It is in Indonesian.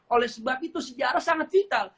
oleh sebab itu sejarah sangat vital